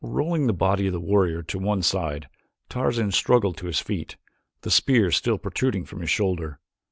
Rolling the body of the warrior to one side Tarzan struggled to his feet, the spear still protruding from his shoulder.